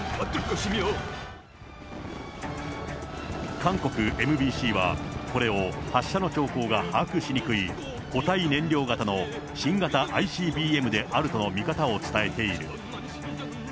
韓国ＭＢＣはこれを発射の兆候が把握しにくい、固体燃料型の新型ＩＣＢＭであるとの見方を伝えている。